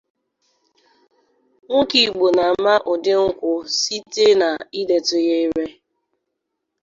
Nwoke Igbo na ama ụdị nkwụ site na ị detụ ya ire.